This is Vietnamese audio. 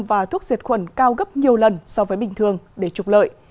và thuốc diệt khuẩn cao gấp nhiều lần so với bình thường để trục lợi